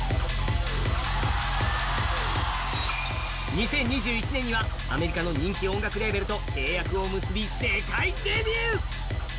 ２０２１年にはアメリカの人気音楽レーベルと契約を結び、世界デビュー。